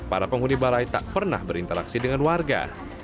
para penghuni balai tak pernah berinteraksi dengan warga